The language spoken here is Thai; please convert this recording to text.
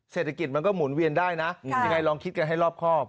เศรษฐกิจมันก็หมุนเวียนได้นะยังไงลองคิดกันให้รอบครอบ